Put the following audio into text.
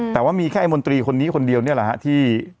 แต่ว่ามีแค่ไอ้มนตรีคนนี้คนเดียวนี่แหละฮะที่